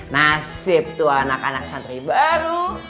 nasib tuh anak anak santri baru